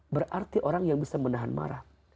berarti orang yang bisa menahan marah